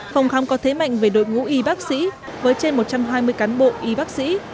phòng khám có thế mạnh về đội ngũ y bác sĩ với trên một trăm hai mươi cán bộ y bác sĩ